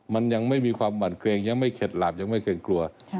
มันยังไม่มีความหวั่นเกรงยังไม่เข็ดหลาบยังไม่เกรงกลัว